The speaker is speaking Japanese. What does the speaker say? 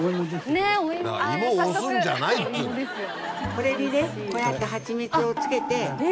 これにねこうやって蜂蜜をつけて。